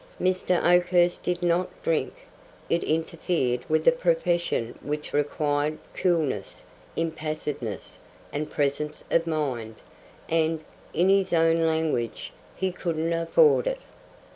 Mr. Oakhurst did not drink. It interfered with a profession which required coolness, impassiveness, and presence of mind, and, in his own language, he "couldn't afford it."